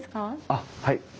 あっはい。